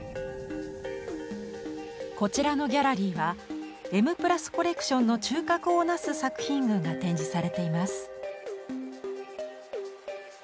こちらのギャラリーは「Ｍ＋」コレクションの中核を成す作品群が展示されています。